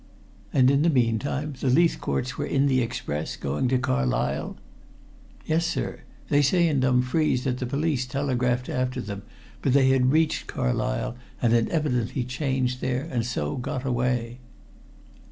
"And in the meantime the Leithcourts were in the express going to Carlisle?" "Yes, sir. They say in Dumfries that the police telegraphed after them, but they had reached Carlisle and evidently changed there, and so got away."